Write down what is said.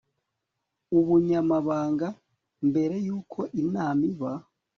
ubunyamabanga mbere y uko inama iba